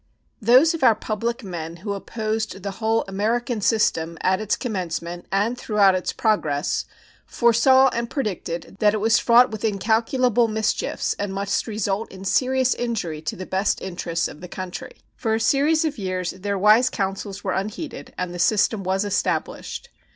Those of our public men who opposed the whole "American system" at its commencement and throughout its progress foresaw and predicted that it was fraught with incalculable mischiefs and must result in serious injury to the best interests of the country. For a series of years their wise counsels were unheeded, and the system was established.